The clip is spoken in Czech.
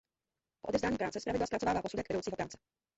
Po odevzdání práce zpravidla zpracovává posudek vedoucího práce.